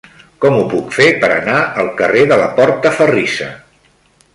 Com ho puc fer per anar al carrer de la Portaferrissa?